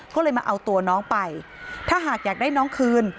ก็เลยมาเอาตัวน้องไปถ้าหากอยากได้น้องคืน